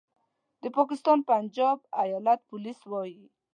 د پاکستان پنجاب ایالت پولیس وايي